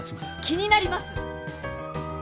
気になります！